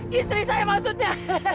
eh eh istri saya maksudnya